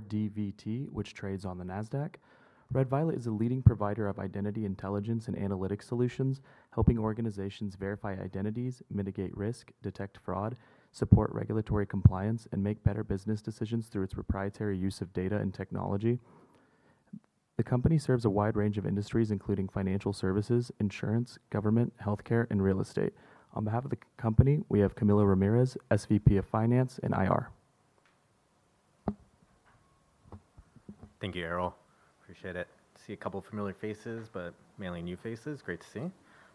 RDVT, which trades on the Nasdaq. Red Violet is a leading provider of identity intelligence and analytic solutions, helping organizations verify identities, mitigate risk, detect fraud, support regulatory compliance, and make better business decisions through its proprietary use of data and technology. The company serves a wide range of industries including financial services, insurance, government, healthcare, and real estate. On behalf of the company, we have Camilo Ramirez, SVP of Finance and IR. Thank you Errol. Appreciate it. See a couple familiar faces, but mainly new faces. Great to see.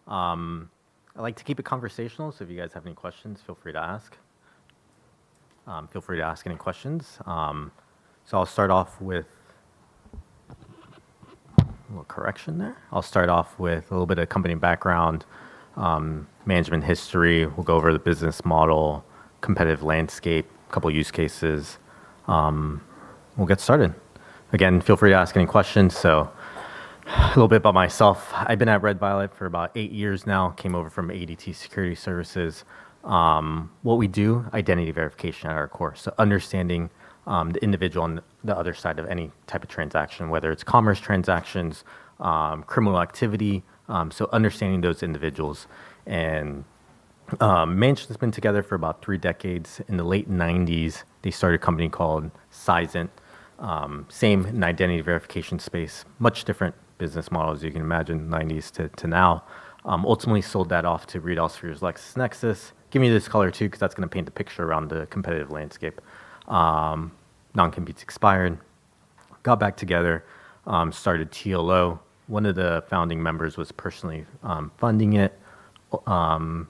I like to keep it conversational, if you guys have any questions, feel free to ask. Feel free to ask any questions. I'll start off with a little correction there. I'll start off with a little bit of company background, management history. We'll go over the business model, competitive landscape, couple use cases. We'll get started. Again, feel free to ask any questions. A little bit about myself. I've been at Red Violet for about eight years now. Came over from ADT Security Services. What we do, identity verification at our core. Understanding the individual on the other side of any type of transaction, whether it's commerce transactions, criminal activity, understanding those individuals. Management's been together for about three decades. In the late 1990s, they started a company called Seisint. Same in identity verification space, much different business model, as you can imagine, 1990s to now. Ultimately sold that off to Reed Elsevier's LexisNexis. Give me this color too, because that's going to paint the picture around the competitive landscape. Non-competes expired. Got back together, started TLO. One of the founding members was personally funding it.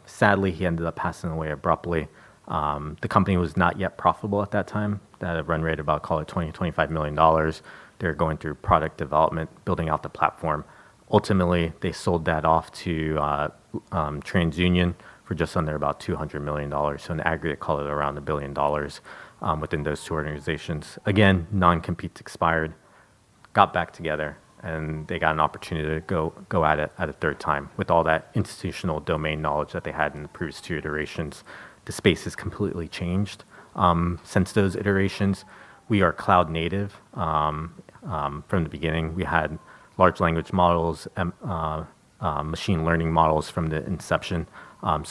Sadly, he ended up passing away abruptly. The company was not yet profitable at that time. They had a run rate of about call it $20 million-$25 million. They were going through product development, building out the platform. Ultimately, they sold that off to TransUnion for just under about $200 million. In aggregate, call it around $1 billion within those two organizations. Again, non-competes expired, got back together, they got an opportunity to go at it at a third time with all that institutional domain knowledge that they had in the previous two iterations. The space has completely changed since those iterations. We are cloud native from the beginning. We had large language models and machine learning models from the inception.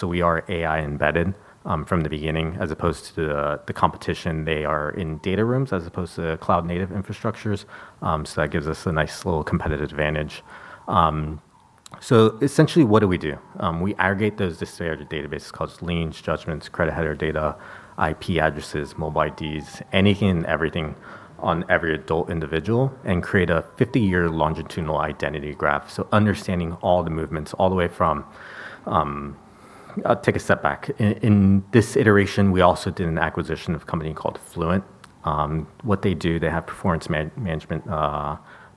We are AI embedded from the beginning as opposed to the competition. They are in data rooms as opposed to cloud native infrastructures. That gives us a nice little competitive advantage. Essentially, what do we do? We aggregate those disaggregated databases, call it liens, judgments, credit header data, IP addresses, mobile IDs, anything and everything on every adult individual, and create a 50-year longitudinal identity graph. Understanding all the movements all the way. I'll take a step back. In this iteration, we also did an acquisition of a company called Fluent. What they do, they have performance management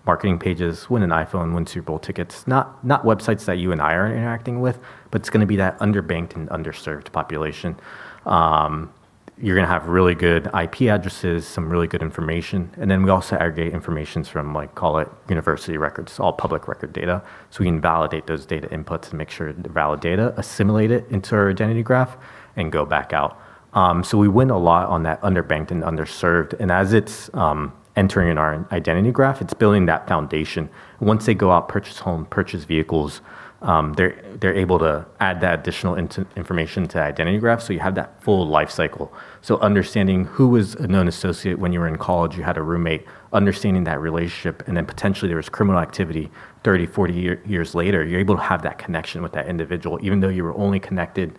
marketing pages, win an iPhone, win Super Bowl tickets. Not websites that you and I are interacting with, but it's going to be that underbanked and underserved population. You're going to have really good IP addresses, some really good information, and then we also aggregate information from university records, all public record data. We can validate those data inputs and make sure they're valid data, assimilate it into our identity graph, and go back out. We win a lot on that underbanked and underserved. As it's entering in our identity graph, it's building that foundation. Once they go out, purchase home, purchase vehicles, they're able to add that additional information to identity graph, so you have that full life cycle. Understanding who was a known associate when you were in college, you had a roommate, understanding that relationship, then potentially there was criminal activity 30, 40 years later. You're able to have that connection with that individual, even though you were only connected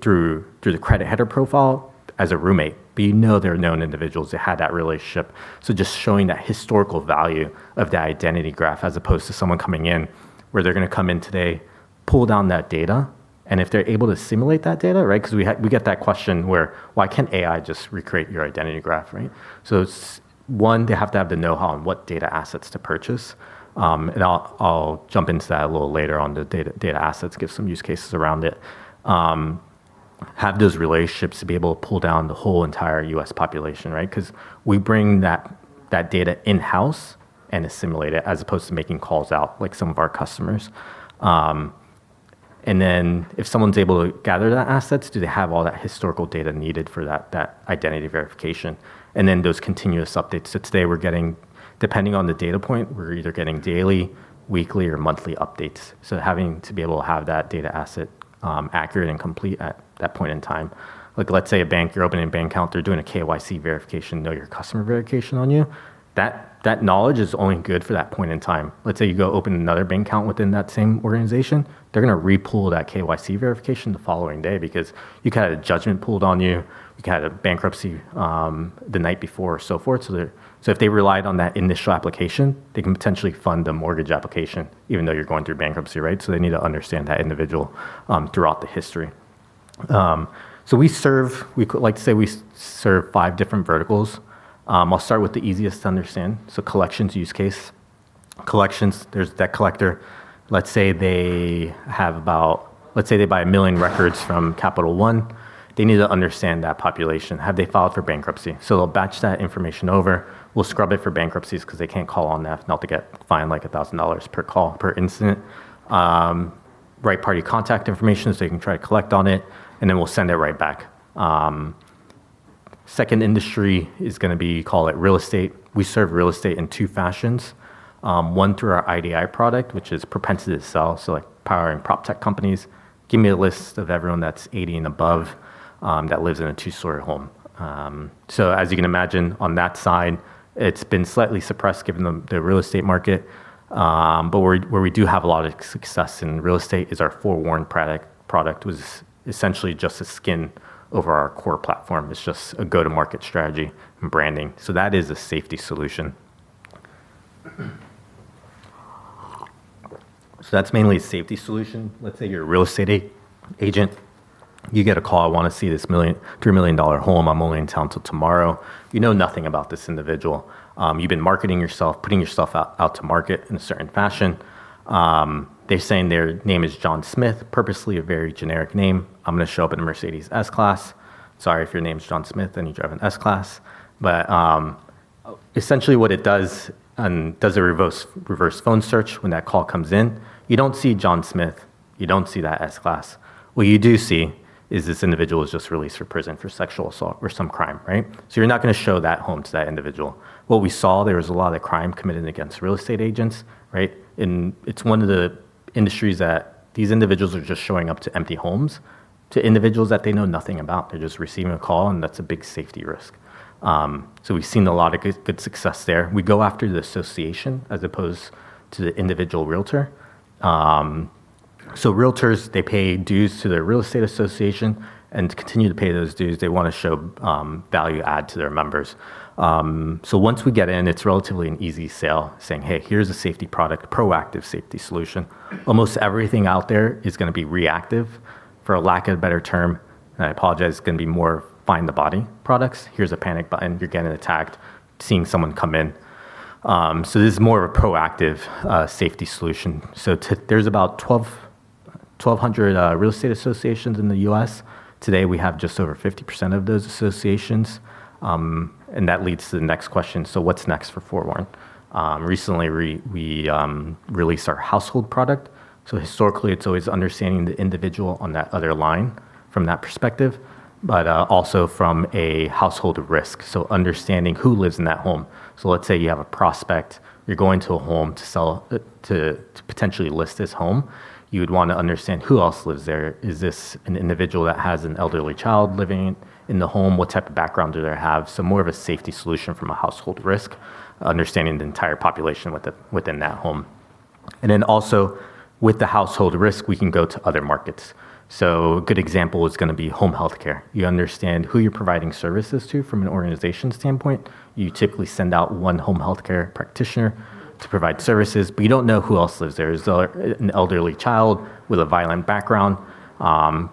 through the credit header profile as a roommate. You know they're known individuals that had that relationship. Just showing that historical value of that identity graph as opposed to someone coming in, where they're going in today, pull down that data, and if they're able to assimilate that data, right? Because we get that question where why can't AI just recreate your identity graph, right? It's, one, they have to have the knowhow on what data assets to purchase. I'll jump into that a little later on the data assets, give some use cases around it. Have those relationships to be able to pull down the whole entire U.S. population, right? Because we bring that data in-house and assimilate it as opposed to making calls out, like some of our customers. If someone's able to gather those assets, do they have all that historical data needed for that identity verification and then those continuous updates. Today, depending on the data point, we're either getting daily, weekly, or monthly updates. Having to be able to have that data asset accurate and complete at that point in time. Like let's say a bank, you're opening a bank account, they're doing a KYC verification, know your customer verification on you. That knowledge is only good for that point in time. Let's say you go open another bank account within that same organization. They're going to re-pull that KYC verification the following day because you could have a judgment pulled on you could have a bankruptcy the night before, or so forth. If they relied on that initial application, they can potentially fund the mortgage application even though you're going through bankruptcy, right? They need to understand that individual throughout the history. Like I say, we serve five different verticals. I'll start with the easiest to understand. Collections use case. Collections, there's debt collector. Let's say they had bought 1 million records from Capital One. They need to understand that population. Have they filed for bankruptcy? They'll batch that information over. We'll scrub it for bankruptcies because they can't call on that, not to get fined like $1,000 per call, per incident. Right party contact information so they can try to collect on it, and then we'll send it right back. Second industry is going to be, call it real estate. We serve real estate in two fashions. One through our IDI product, which is propensity to sell, so like powering prop tech companies. Give me a list of everyone that's 80 and above that lives in a two-story home. As you can imagine, on that side, it's been slightly suppressed given the real estate market. Where we do have a lot of success in real estate is our FOREWARN product, which is essentially just a skin over our core platform. It's just a go-to-market strategy and branding. That is a safety solution. That's mainly a safety solution. Let's say you're a real estate agent. You get a call, "I want to see this $3 million home. I'm only in town till tomorrow." You know nothing about this individual. You've been marketing yourself, putting yourself out to market in a certain fashion. They're saying their name is John Smith, purposely a very generic name. I'm going to show up in a Mercedes-Benz S-Class. Sorry if your name's John Smith and you drive an S-Class. Essentially what it does, it does a reverse phone search when that call comes in. You don't see John Smith, you don't see that S-Class. What you do see is this individual was just released from prison for sexual assault or some crime. You're not going to show that home to that individual. What we saw there is a lot of crime committed against real estate agents. It's one of the industries that these individuals are just showing up to empty homes to individuals that they know nothing about. They're just receiving a call, and that's a big safety risk. We've seen a lot of good success there. We go after the association as opposed to the individual realtor. Realtors, they pay dues to their real estate association, and to continue to pay those dues, they want to show value add to their members. Once we get in, it's relatively an easy sell saying, "Hey, here's a safety product, proactive safety solution." Almost everything out there is going to be reactive, for lack of a better term, and I apologize, it's going to be more find the body products. Here's a panic button. You're getting attacked, seeing someone come in. This is more of a proactive safety solution. There's about 1,200 real estate associations in the U.S. Today, we have just over 50% of those associations. That leads to the next question. What's next for FOREWARN? Recently, we released our household product. Historically, it's always understanding the individual on that other line from that perspective, but also from a household risk, so understanding who lives in that home. Let's say you have a prospect. You're going to a home to potentially list this home. You would want to understand who else lives there. Is this an individual that has an elderly child living in the home? What type of background do they have? More of a safety solution from a household risk, understanding the entire population within that home. Then also with the household risk, we can go to other markets. A good example is going to be home health care. You understand who you're providing services to from an organization standpoint. You typically send out one home health care practitioner to provide services, but you don't know who else lives there. Is there an elderly child with a violent background?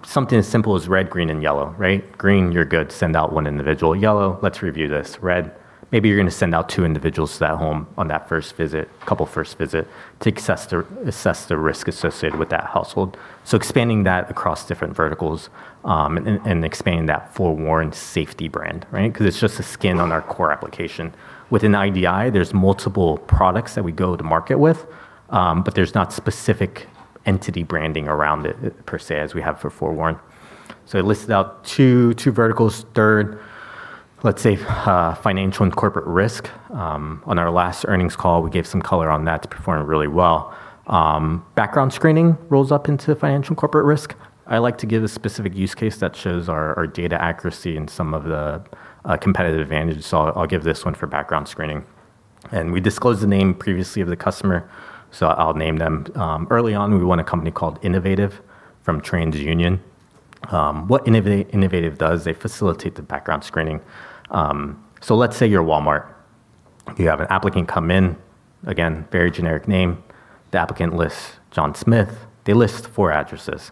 Something as simple as red, green, and yellow. Green, you're good. Send out one individual. Yellow, let's review this. Red, maybe you're going to send out two individuals to that home on that first visit to assess the risk associated with that household. Expanding that across different verticals, and expanding that FOREWARN safety brand. Because it's just a skin on our core application. Within IDI, there's multiple products that we go to market with, but there's not specific entity branding around it per se, as we have for FOREWARN. I listed out two verticals. Third, let's say financial and corporate risk. On our last earnings call, we gave some color on that to perform really well. Background screening rolls up into financial and corporate risk. I like to give a specific use case that shows our data accuracy and some of the competitive advantages. I'll give this one for background screening. We disclosed the name previously of the customer, so I'll name them. Early on, we won a company called Innovative from TransUnion. What Innovative does, they facilitate the background screening. Let's say you're Walmart. You have an applicant come in. Again, very generic name. The applicant lists John Smith. They list four addresses.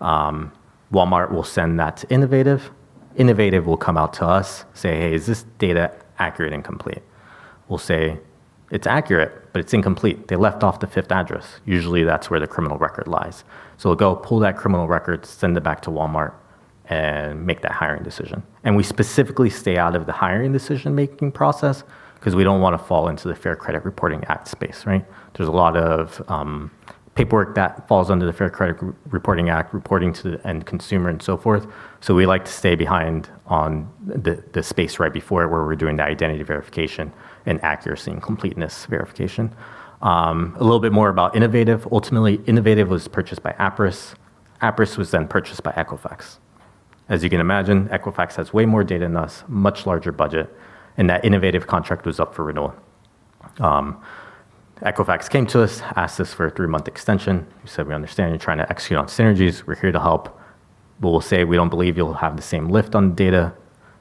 Walmart will send that to Innovative. Innovative will come out to us, say, "Hey, is this data accurate and complete?" We'll say, "It's accurate, but it's incomplete. They left off the fifth address. Usually that's where the criminal record lies. We'll go pull that criminal record, send it back to Walmart and make that hiring decision. We specifically stay out of the hiring decision-making process because we don't want to fall into the Fair Credit Reporting Act space. There's a lot of paperwork that falls under the Fair Credit Reporting Act, reporting to the end consumer and so forth. We like to stay behind on the space right before where we're doing the identity verification and accuracy and completeness verification. A little bit more about Innovative. Ultimately, Innovative was purchased by Appriss. Appriss was then purchased by Equifax. As you can imagine, Equifax has way more data than us, much larger budget, and that Innovative contract was up for renewal. Equifax came to us, asked us for a three-month extension. We said, "We understand you're trying to execute on synergies. We're here to help. We'll say we don't believe you'll have the same lift on data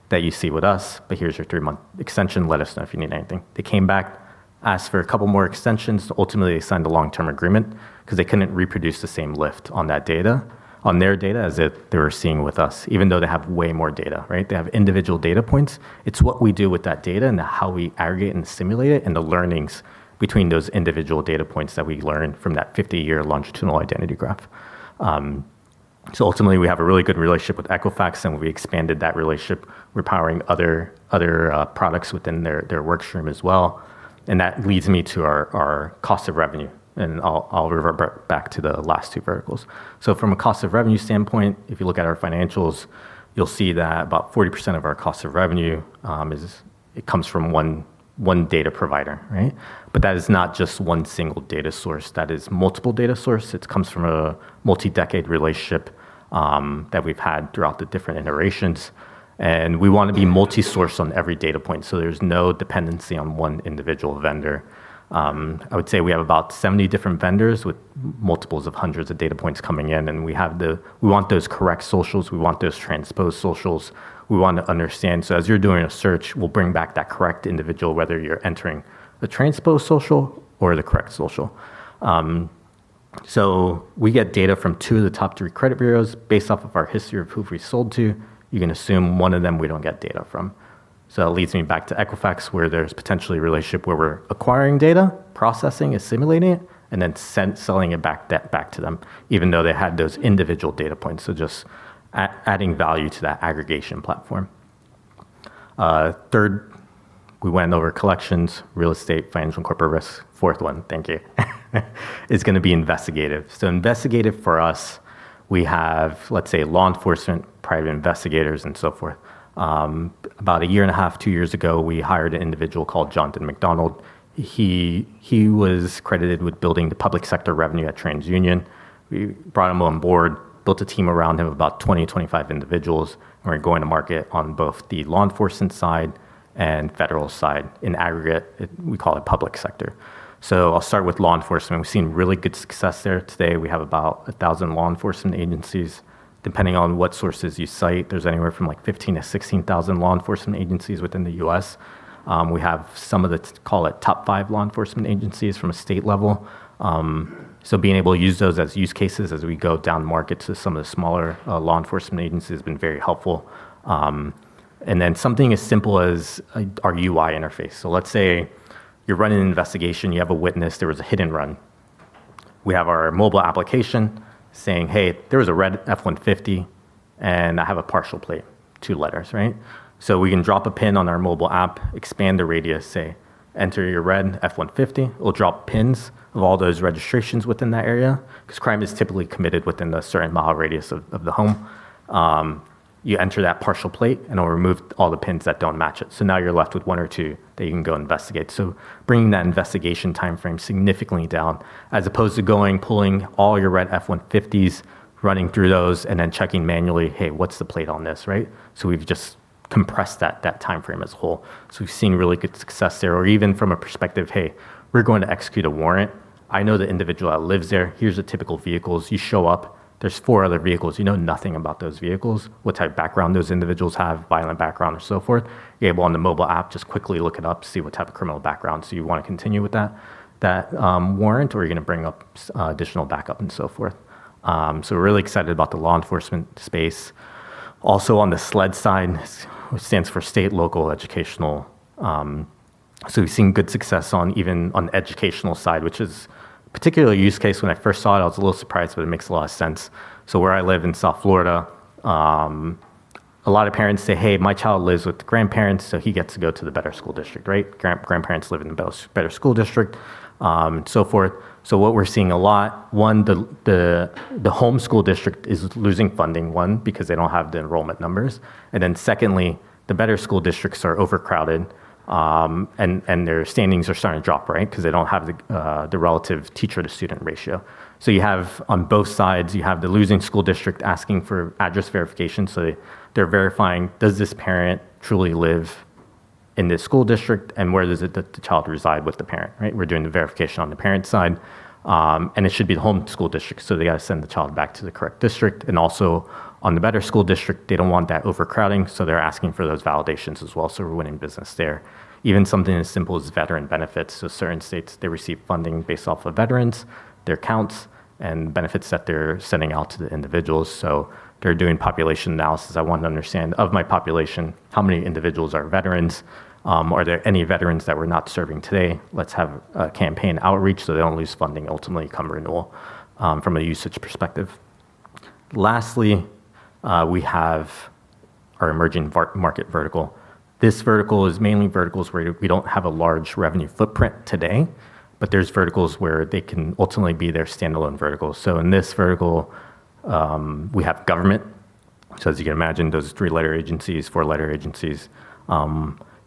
that you see with us, but here's your three-month extension. Let us know if you need anything." They came back, asked for a couple more extensions to ultimately sign the long-term agreement because they couldn't reproduce the same lift on that data, on their data as they were seeing with us, even though they have way more data. They have individual data points. It's what we do with that data and how we aggregate and simulate it, and the learnings between those individual data points that we learn from that 50-year longitudinal identity graph. Ultimately, we have a really good relationship with Equifax, and we expanded that relationship. We're powering other products within their work stream as well. That leads me to our cost of revenue. I'll revert back to the last two verticals. From a cost of revenue standpoint, if you look at our financials, you'll see that about 40% of our cost of revenue comes from one data provider, right? That is not just one single data source. That is multiple data source. It comes from a multi-decade relationship that we've had throughout the different iterations, and we want to be multi-source on every data point, so there's no dependency on one individual vendor. I would say we have about 70 different vendors with multiples of hundreds of data points coming in, and we want those correct socials, we want those transposed socials. We want to understand, so as you're doing a search, we'll bring back that correct individual, whether you're entering the transposed social or the correct social. We get data from two of the top three credit bureaus based off of our history of who've we sold to. You can assume one of them we don't get data from. That leads me back to Equifax, where there's potentially a relationship where we're acquiring data, processing, assimilating it, and then selling it back to them, even though they had those individual data points. Just adding value to that aggregation platform. Third, we went over collections, real estate, financial and corporate risk. Fourth one, thank you, is going to be investigative. Investigative for us, we have, let's say, law enforcement, private investigators, and so forth. About a year and a half, two years ago, we hired an individual called John D. McDonald. He was credited with building the public sector revenue at TransUnion. We brought him on board, built a team around him of about 20, 25 individuals, and we're going to market on both the law enforcement side and federal side. In aggregate, we call it public sector. I'll start with law enforcement. We've seen really good success there. Today, we have about 1,000 law enforcement agencies. Depending on what sources you cite, there's anywhere from 15,000-16,000 law enforcement agencies within the U.S. We have some of the, call it, top five law enforcement agencies from a state level. Being able to use those as use cases as we go down market to some of the smaller law enforcement agencies has been very helpful. Then something as simple as our UI interface. Let's say you're running an investigation. You have a witness. There was a hit-and-run. We have our mobile application saying, "Hey, there was a red F-150, and I have a partial plate, two letters." Right? We can drop a pin on our mobile app, expand the radius, say, "Enter your red F-150." It'll drop pins of all those registrations within that area because crime is typically committed within the certain mile radius of the home. You enter that partial plate, and it'll remove all the pins that don't match it. Now you're left with one or two that you can go investigate. Bringing that investigation timeframe significantly down as opposed to going, pulling all your red F-150s, running through those, and then checking manually, "Hey, what's the plate on this?" Right? We've just compressed that timeframe as a whole. We've seen really good success there, or even from a perspective of, "Hey, we're going to execute a warrant. I know the individual that lives there. Here's the typical vehicles." You show up, there's four other vehicles. You know nothing about those vehicles, what type of background those individuals have, violent background or so forth. You're able, on the mobile app, just quickly look it up to see what type of criminal background. You want to continue with that warrant, or you're going to bring up additional backup and so forth. We're really excited about the law enforcement space. Also on the SLED sign, which stands for State Local Educational. We've seen good success even on the educational side, which is particularly a use case. When I first saw it, I was a little surprised, but it makes a lot of sense. Where I live in South Florida, a lot of parents say, "Hey, my child lives with the grandparents, so he gets to go to the better school district." Right? Grandparents live in the better school district, so forth. What we're seeing a lot, one, the home school district is losing funding, one, because they don't have the enrollment numbers. Secondly, the better school districts are overcrowded, and their standings are starting to drop, right? Because they don't have the relative teacher-to-student ratio. On both sides, you have the losing school district asking for address verification. They're verifying, does this parent truly live in this school district, and where does the child reside with the parent, right? We're doing the verification on the parent side. It should be the home school district, so they've got to send the child back to the correct district. Also on the better school district, they don't want that overcrowding, so they're asking for those validations as well. We're winning business there. Even something as simple as veteran benefits. Certain states, they receive funding based off of veterans, their counts, and benefits that they're sending out to the individuals. They're doing population analysis. They want to understand, of my population, how many individuals are veterans? Are there any veterans that we're not serving today? Let's have a campaign outreach, so they don't lose funding ultimately come renewal from a usage perspective. Lastly, we have our emerging market vertical. This vertical is mainly verticals where we don't have a large revenue footprint today, but there's verticals where they can ultimately be their standalone vertical. In this vertical, we have government. As you can imagine, those three-letter agencies, four-letter agencies,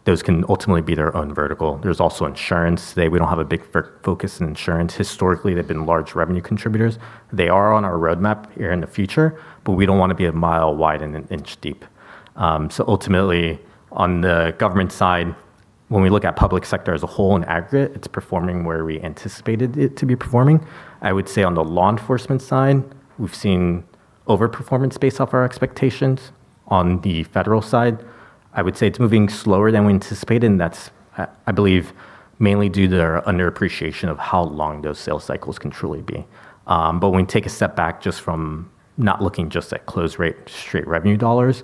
those can ultimately be their own vertical. There's also insurance. Today we don't have a big focus in insurance. Historically, they've been large revenue contributors. They are on our roadmap here in the future, but we don't want to be a mile wide and an inch deep. Ultimately, on the government side, when we look at public sector as a whole in aggregate, it's performing where we anticipated it to be performing. I would say on the law enforcement side, we've seen over-performance based off our expectations. On the federal side, I would say it's moving slower than we anticipated, and that's, I believe, mainly due to their underappreciation of how long those sales cycles can truly be. When you take a step back just from not looking just at close rate straight revenue dollars,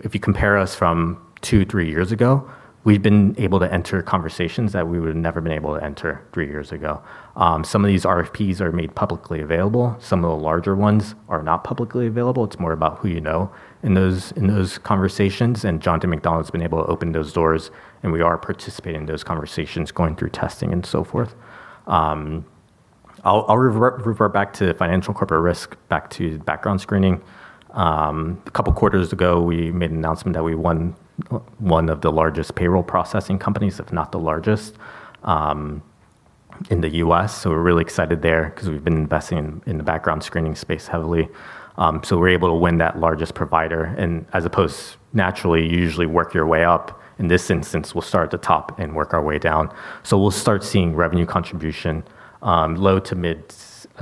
if you compare us from two, three years ago, we've been able to enter conversations that we would have never been able to enter three years ago. Some of these RFPs are made publicly available. Some of the larger ones are not publicly available. It's more about who you know in those conversations, and John D. McDonald's been able to open those doors, and we are participating in those conversations, going through testing and so forth. I'll revert back to financial corporate risk, back to background screening. A couple of quarters ago, we made an announcement that we won one of the largest payroll processing companies, if not the largest, in the U.S. We're really excited there because we've been investing in the background screening space heavily. We're able to win that largest provider and as opposed, naturally, you usually work your way up. In this instance, we'll start at the top and work our way down. We'll start seeing revenue contribution, low to mid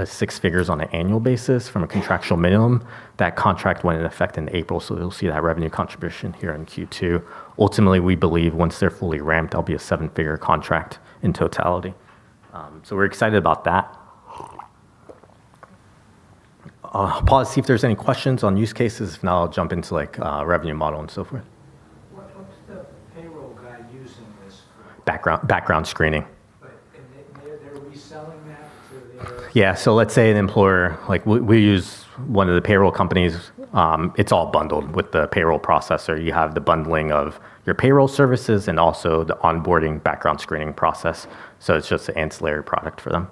six figures on an annual basis from a contractual minimum. That contract went into effect in April, so you'll see that revenue contribution here in Q2. Ultimately, we believe once they're fully ramped, that'll be a seven-figure contract in totality. We're excited about that. Pause to see if there's any questions on use cases. If not, I'll jump into revenue model and so forth. What's the payroll guy using this for? Background screening. They're reselling that to. Yeah. Let's say an employer, we use one of the payroll companies, it's all bundled with the payroll processor. You have the bundling of your payroll services and also the onboarding background screening process. It's just an ancillary product for them.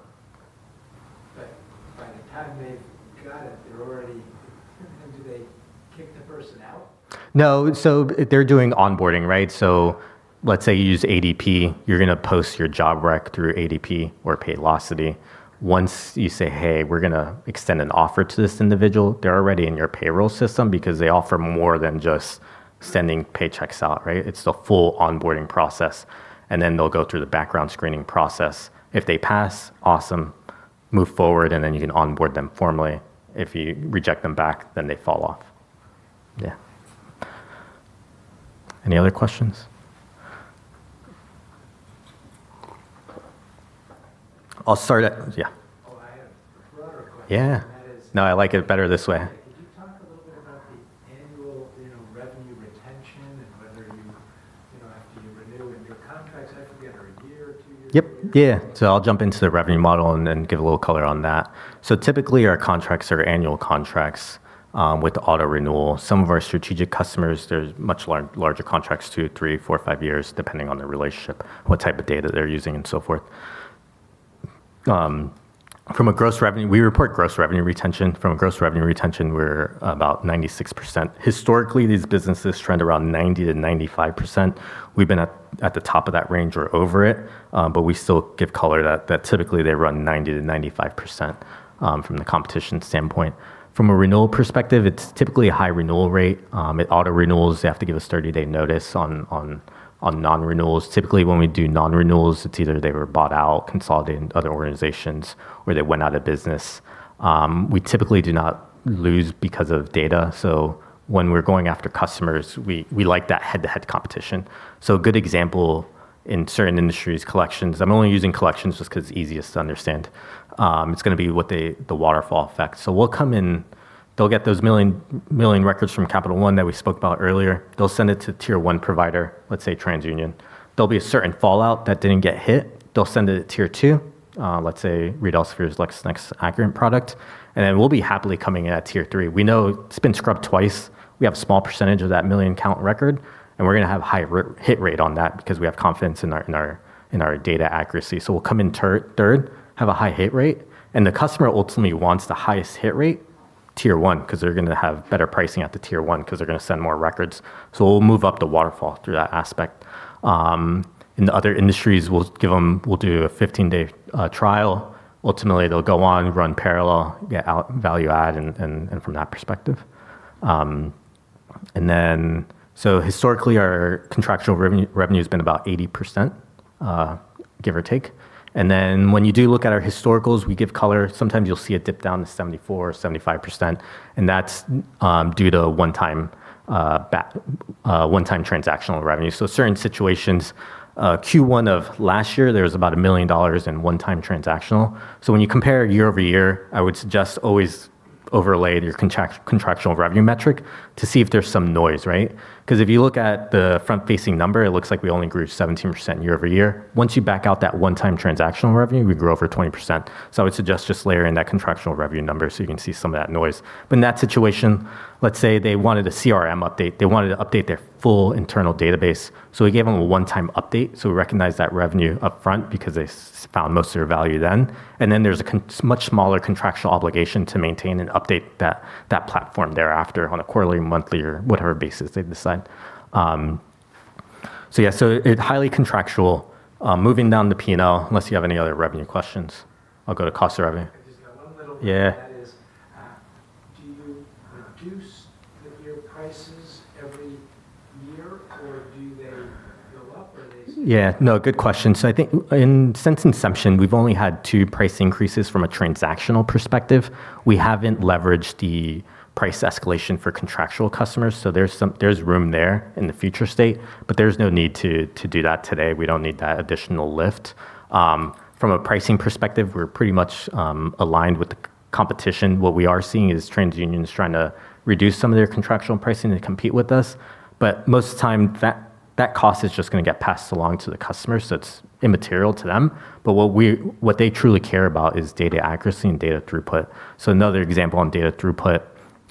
By the time they've got it, when do they kick the person out? No. They're doing onboarding, right? Let's say you use ADP, you're going to post your job rec through ADP or Paylocity. Once you say, "Hey, we're going to extend an offer to this individual," they're already in your payroll system because they offer more than just sending paychecks out, right? It's the full onboarding process, then they'll go through the background screening process. If they pass, awesome. Move forward, then you can onboard them formally. If you reject them back, they fall off. Yeah. Any other questions? I'll start at Yeah. Oh, I have a broader question. Yeah. That is. No, I like it better this way. Could you talk a little bit about the annual revenue retention and whether after you renew a new contract, it's actually under a year or two years? Yep. Yeah. I'll jump into the revenue model and then give a little color on that. Typically, our contracts are annual contracts, with auto renewal. Some of our strategic customers, they're much larger contracts, 2, 3, 4,5 years, depending on their relationship, what type of data they're using and so forth. From a gross revenue, we report gross revenue retention. From a gross revenue retention, we're about 96%. Historically, these businesses trend around 90%-95%. We've been at the top of that range or over it. We still give color that typically they run 90%-95%, from the competition standpoint. From a renewal perspective, it's typically a high renewal rate. It auto renewals. You have to give us 30-day notice on non-renewals. Typically, when we do non-renewals, it's either they were bought out, consolidated into other organizations, or they went out of business. We typically do not lose because of data. When we're going after customers, we like that head-to-head competition. A good example in certain industries, collections. I'm only using collections just because it's easiest to understand. It's going to be what the waterfall effect. We'll come in, they'll get those 1 million records from Capital One that we spoke about earlier. They'll send it to tier 1 provider, let's say TransUnion. There'll be a certain fallout that didn't get hit. They'll send it to tier 2, let's say RedOwl Spheres, LexisNexis, Accurint product, and then we'll be happily coming in at tier 3. We know it's been scrubbed twice. We have a small percentage of that 1 million count record, and we're going to have high hit rate on that because we have confidence in our data accuracy. We'll come in third, have a high hit rate, and the customer ultimately wants the highest hit rate, tier 1, because they're going to have better pricing at the tier 1 because they're going to send more records. We'll move up the waterfall through that aspect. In the other industries, we'll do a 15-day trial. Ultimately, they'll go on, run parallel, get value add and from that perspective. Historically, our contractual revenue's been about 80%, give or take. Then when you do look at our historicals, we give color. Sometimes you'll see it dip down to 74% or 75%, and that's due to one-time transactional revenue. Certain situations, Q1 of last year, there was about $1 million in one-time transactional. When you compare year-over-year, I would suggest always overlay your contractual revenue metric to see if there's some noise, right? If you look at the front-facing number, it looks like we only grew 17% year-over-year. Once you back out that one-time transactional revenue, we grew over 20%. I would suggest just layering that contractual revenue number so you can see some of that noise. In that situation, let's say they wanted a CRM update. They wanted to update their full internal database. We gave them a one-time update. We recognized that revenue upfront because they found most of their value then. Then there's a much smaller contractual obligation to maintain and update that platform thereafter on a quarterly, monthly, or whatever basis they decide. It's highly contractual. Moving down the P&L, unless you have any other revenue questions, I'll go to cost revenue. I've just got one little one. Yeah. That is, do you reduce your prices every year, or do they go up, or they stay- Yeah. No, good question. I think since inception, we've only had two price increases from a transactional perspective. We haven't leveraged the price escalation for contractual customers, so there's room there in the future state, but there's no need to do that today. We don't need that additional lift. From a pricing perspective, we're pretty much aligned with the competition. What we are seeing is TransUnion is trying to reduce some of their contractual pricing to compete with us. Most of the time, that cost is just going to get passed along to the customer, so it's immaterial to them. What they truly care about is data accuracy and data throughput. Another example on data throughput.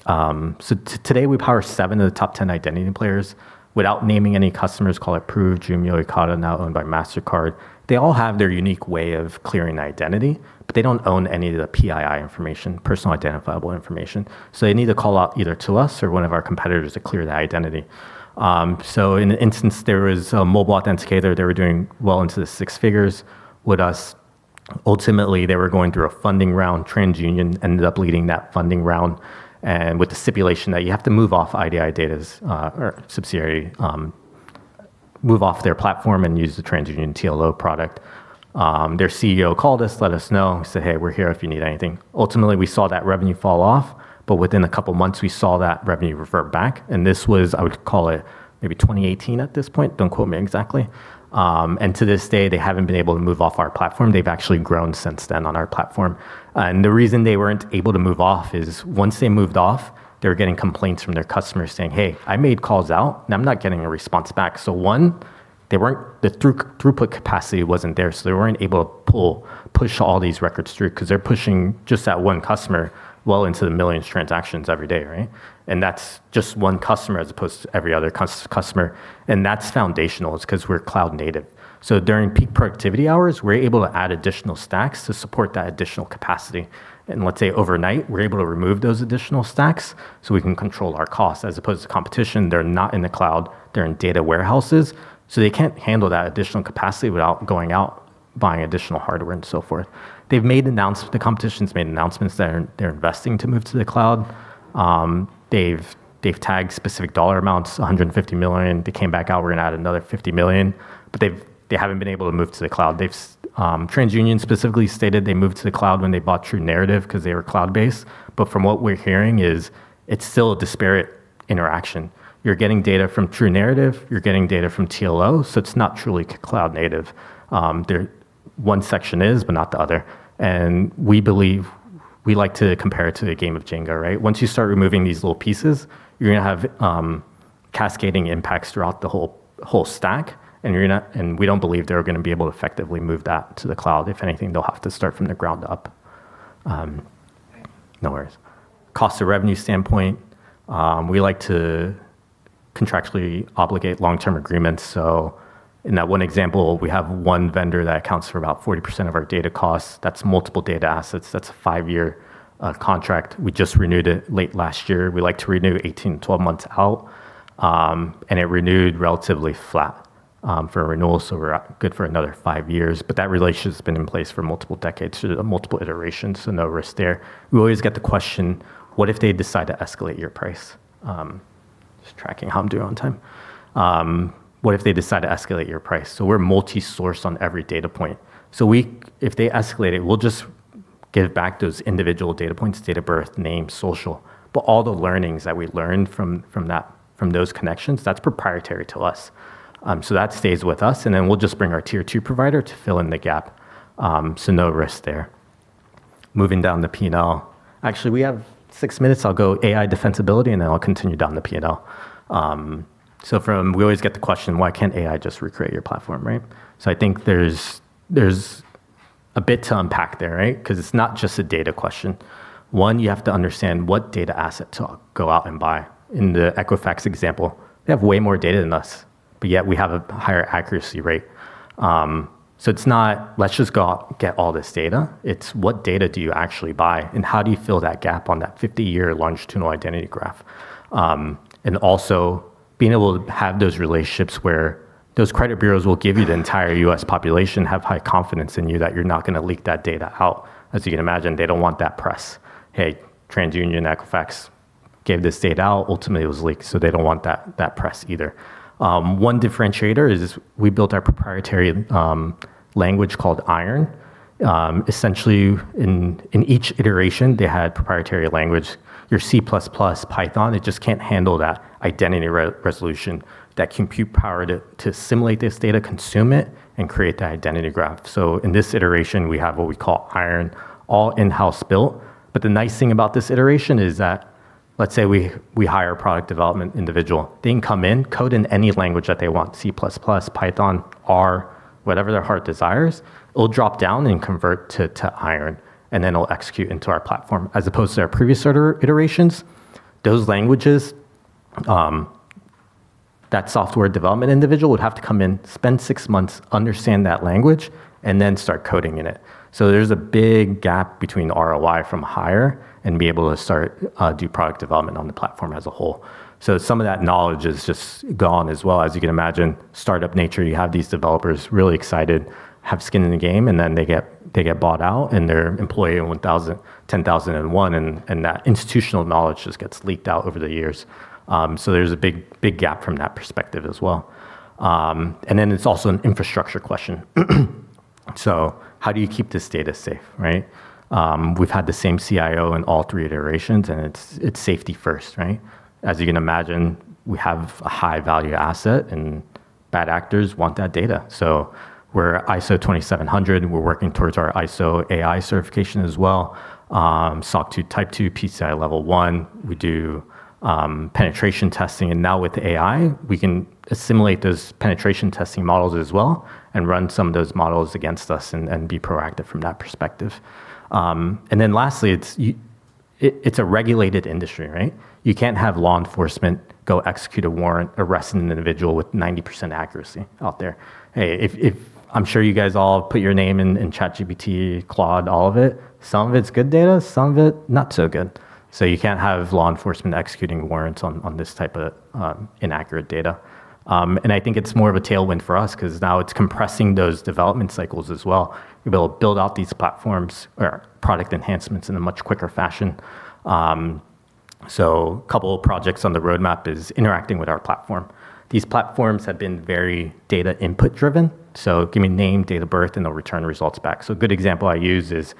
Today we power seven of the top 10 identity players. Without naming any customers, call it Prove, Jumio, Ekata, now owned by Mastercard. They all have their unique way of clearing identity, but they don't own any of the PII information, personal identifiable information. They need to call out either to us or one of our competitors to clear that identity. In an instance, there was a mobile authenticator. They were doing well into the six figures with us. Ultimately, they were going through a funding round. TransUnion ended up leading that funding round, and with the stipulation that you have to move off IDI data's subsidiary, move off their platform, and use the TransUnion TLO product. Their CEO called us, let us know, and said, "Hey, we're here if you need anything." Ultimately, we saw that revenue fall off, but within a couple of months, we saw that revenue revert back, and this was, I would call it maybe 2018 at this point. Don't quote me exactly. To this day, they haven't been able to move off our platform. They've actually grown since then on our platform. The reason they weren't able to move off is once they moved off, they were getting complaints from their customers saying, "Hey, I made calls out, and I'm not getting a response back." One, the throughput capacity wasn't there, so they weren't able to push all these records through because they're pushing just that one customer well into the millions of transactions every day, right? That's just one customer as opposed to every other customer. That's foundational. It's because we're cloud-native. During peak productivity hours, we're able to add additional stacks to support that additional capacity. Let's say overnight, we're able to remove those additional stacks, so we can control our costs as opposed to competition. They're not in the cloud. They're in data warehouses, they can't handle that additional capacity without going out, buying additional hardware, and so forth. The competition's made announcements that they're investing to move to the cloud. They've tagged specific dollar amounts, $150 million. They came back out, we're going to add another $50 million. They haven't been able to move to the cloud. TransUnion specifically stated they moved to the cloud when they bought TruNarrative because they were cloud-based. From what we're hearing is it's still a disparate interaction. You're getting data from TruNarrative, you're getting data from TLO, it's not truly cloud native. One section is, but not the other. We like to compare it to the game of Jenga, right? Once you start removing these little pieces, you're going to have cascading impacts throughout the whole stack, we don't believe they're going to be able to effectively move that to the cloud. If anything, they'll have to start from the ground up. No worries. Cost to revenue standpoint, we like to contractually obligate long-term agreements. In that one example, we have one vendor that accounts for about 40% of our data costs. That's multiple data assets. That's a five-year contract. We just renewed it late last year. We like to renew 18-12 months out. It renewed relatively flat for a renewal, so we're good for another five years. That relationship's been in place for multiple decades through multiple iterations, so no risk there. We always get the question, what if they decide to escalate your price? Just tracking how I'm doing on time. What if they decide to escalate your price? We're multi-source on every data point. If they escalate it, we'll just give it back to those individual data points, date of birth, name, social. All the learnings that we learned from those connections, that's proprietary to us. That stays with us, and then we'll just bring our tier 2 provider to fill in the gap, so no risk there. Moving down to P&L. Actually, we have six minutes. I'll go AI defensibility, and then I'll continue down the P&L. We always get the question, why can't AI just recreate your platform, right? I think there's a bit to unpack there, right? Because it's not just a data question. One, you have to understand what data assets to go out and buy. In the Equifax example, they have way more data than us, but yet we have a higher accuracy rate. It's not, let's just go out and get all this data. It's what data do you actually buy, and how do you fill that gap on that 50-year longitudinal identity graph? Being able to have those relationships where those credit bureaus will give you the entire U.S. population, have high confidence in you that you're not going to leak that data out. As you can imagine, they don't want that press. "Hey, TransUnion, Equifax gave this data out. Ultimately, it was leaked." They don't want that press either. One differentiator is we built our proprietary language called IRON. In each iteration, they had proprietary language. Your C++, Python, it just can't handle that identity resolution, that compute power to assimilate this data, consume it, and create the identity graph. In this iteration, we have what we call IRON, all in-house built. The nice thing about this iteration is that, let's say we hire a product development individual. They can come in, code in any language that they want, C++, Python, R, whatever their heart desires. It'll drop down and convert to IRON, and then it'll execute into our platform. As opposed to our previous iterations, those languages, that software development individual would have to come in, spend six months, understand that language, and then start coding in it. There's a big gap between ROI from hire and being able to start doing product development on the platform as a whole. Some of that knowledge is just gone as well. As you can imagine, startup nature, you have these developers really excited, have skin in the game, and then they get bought out, and they're employee 10,001, and that institutional knowledge just gets leaked out over the years. There's a big gap from that perspective as well. It's also an infrastructure question. How do you keep this data safe, right? We've had the same CIO in all three iterations, and it's safety first, right? As you can imagine, we have a high-value asset, and bad actors want that data. We're ISO 27001. We're working towards our ISO AI certification as well, SOC 2 Type 2, PCI DSS Level 1. We do penetration testing, and now with AI, we can assimilate those penetration testing models as well and run some of those models against us and be proactive from that perspective. Lastly, it's a regulated industry, right? You can't have law enforcement go execute a warrant, arrest an individual with 90% accuracy out there. Hey, I'm sure you guys all put your name in ChatGPT, Claude, all of it. Some of it's good data, some of it not so good. You can't have law enforcement executing warrants on this type of inaccurate data. I think it's more of a tailwind for us because now it's compressing those development cycles as well. We'll build out these platforms or product enhancements in a much quicker fashion. A couple of projects on the roadmap is interacting with our platform. These platforms have been very data input driven, so give me name, date of birth, and they'll return results back. A good example I use is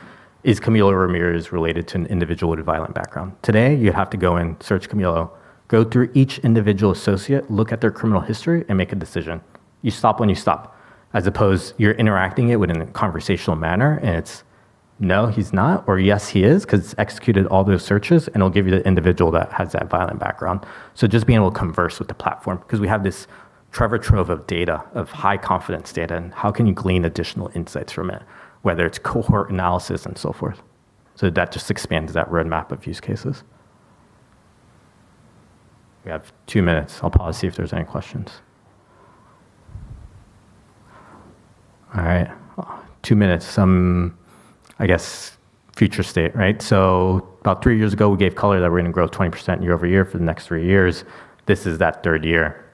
Camilo Ramirez related to an individual with a violent background? Today, you have to go and search Camilo, go through each individual associate, look at their criminal history, and make a decision. You stop when you stop. As opposed, you're interacting with it in a conversational manner, and it's, "No, he's not," or, "Yes, he is," because it's executed all those searches, and it'll give you the individual that has that violent background. Just being able to converse with the platform, because we have this treasure trove of data, of high-confidence data, and how can you glean additional insights from it, whether it's cohort analysis and so forth. That just expands that roadmap of use cases. We have two minutes. I'll pause, see if there's any questions. All right. Two minutes. I guess future state, right? About three years ago, we gave color that we're going to grow 20% year-over-year for the next three years. This is that third year.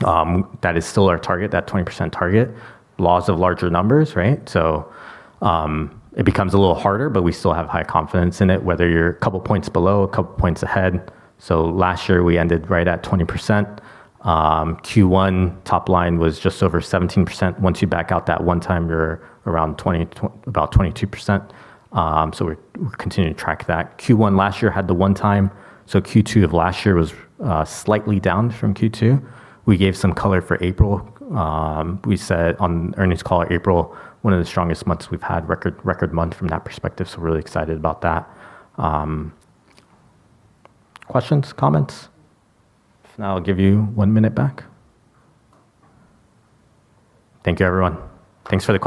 That is still our target, that 20% target. Laws of larger numbers, right? It becomes a little harder, but we still have high confidence in it, whether you're a couple points below, a couple points ahead. Last year, we ended right at 20%. Q1 top line was just over 17%. Once you back out that one time, you're around about 22%. We continue to track that. Q1 last year had the one time, Q2 of last year was slightly down from Q2. We gave some color for April. We said on earnings call, April, one of the strongest months we've had, record month from that perspective, really excited about that. Questions, comments? If not, I'll give you one minute back. Thank you, everyone. Thanks for the questions